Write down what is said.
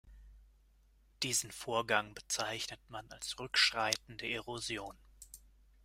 Diesen Vorgang bezeichnet man als rückschreitende Erosion.